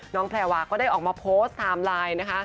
น้องแพลวาก็ได้ออกมาโพสต์ไทม์ไลน์